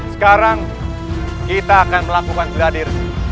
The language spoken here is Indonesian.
sekarang kita akan melakukan gradir